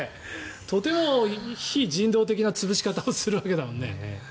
とても非人道的な潰し方をするわけだもんね。